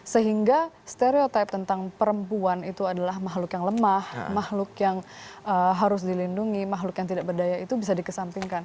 sehingga stereotype tentang perempuan itu adalah makhluk yang lemah makhluk yang harus dilindungi makhluk yang tidak berdaya itu bisa dikesampingkan